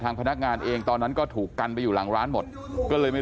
พนักงานเองตอนนั้นก็ถูกกันไปอยู่หลังร้านหมดก็เลยไม่